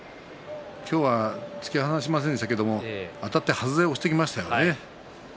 今日は突き放しませんでしたけどあたってはずで押しましたね。